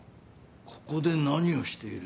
ここで何をしている？